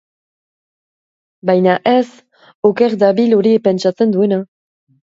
Baina ez, oker dabil hori pentsatzen duena.